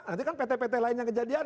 nanti kan pt pt lainnya kejadian